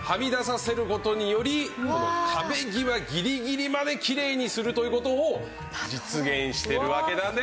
はみ出させる事により壁際ギリギリまできれいにするという事を実現しているわけなんです。